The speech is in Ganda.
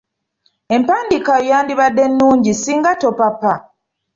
Empandiika yo yandibadde nnungi singa topapa.